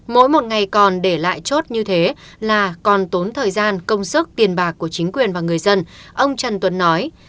mỗi một ngày còn để lại chốt như thế là còn tốn thời gian công sức tiền bạc của chính quyền và người dân ông trần tuấn nói